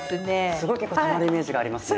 すごい結構たまるイメージがありますね。